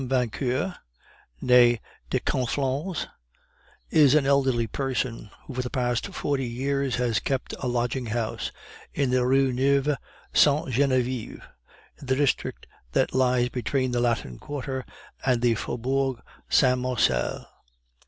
Vauquer (nee de Conflans) is an elderly person, who for the past forty years has kept a lodging house in the Rue Nueve Sainte Genevieve, in the district that lies between the Latin Quarter and the Faubourg Saint Marcel.